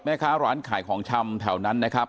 แม่ค้าร้านขายของชำแถวนั้นนะครับ